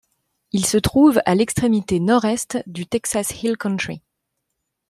Il se trouve à l’extrémité nord-est du Texas Hill Country.